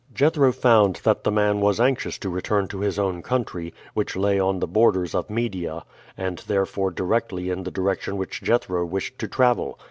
Jethro found that the man was anxious to return to his own country, which lay on the borders of Media, and therefore directly in the direction which Jethro wished to travel.